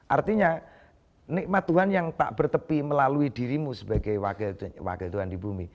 artinya nikmat tuhan yang tak bertepi melalui dirimu sebagai wakil tuhan di bumi